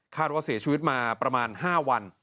ว่าเสียชีวิตมาประมาณ๕วัน